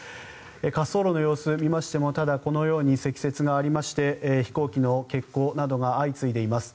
滑走路の様子を見ましてもただ、このように積雪がありまして飛行機の欠航などが相次いでいます。